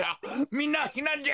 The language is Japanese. みんなひなんじゃ！